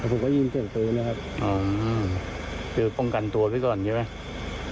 แต่ผมก็ยินเสียงปืนนะครับอ๋อคือมองกันตัวด้วยก่อนใช่ไหม